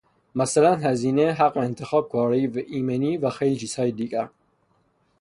مثلا هزینه، حق انتخاب، کارایی، ایمنی و خیلی چیزهای دیگر.